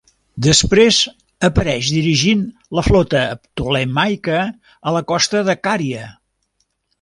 Després apareix dirigint la flota ptolemaica a la costa de Cària.